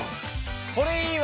これいいわ。